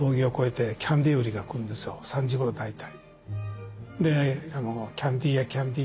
３時ごろ大体。